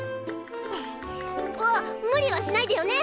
あっ無理はしないでよね！